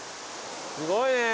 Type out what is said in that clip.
すごいね。